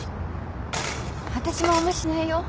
わたしもあんましないよ。